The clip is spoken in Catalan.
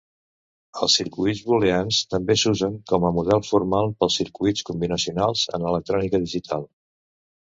Els circuits booleans també s'usen com a model formal pels circuits combinacionals en electrònica digital.